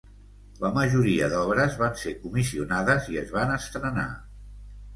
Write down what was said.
La majoria d'obres van ser comissionades i es van estrenar.